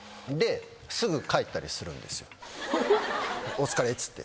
「お疲れ」っつって。